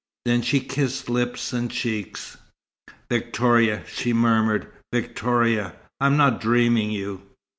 Then she kissed lips and cheeks. "Victoria!" she murmured. "Victoria! I'm not dreaming you?"